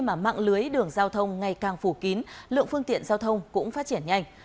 mà mạng lưới đường giao thông ngày càng phủ kín lượng phương tiện giao thông cũng phát triển nhanh